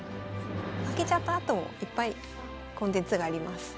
負けちゃったあともいっぱいコンテンツがあります。